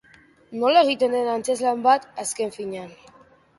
Nola egiten den antzezlan bat, azken finean.